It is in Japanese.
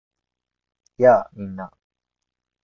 やあ！みんな